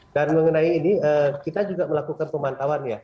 dan mengenai ini kita juga melakukan pemantauan ya